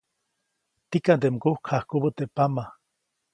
Tikaʼnde mgukjajkubä teʼ pama.